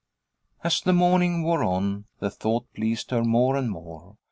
As the morning wore on, the thought pleased her more and more.